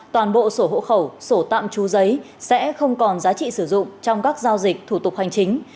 toàn bộ sổ hộ khẩu sổ tạm trú giấy sẽ không còn giá trị sử dụng trong các giao dịch thủ tục hành chính